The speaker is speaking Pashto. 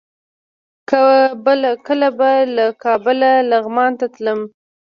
کله به له کابله لغمان ته تللم.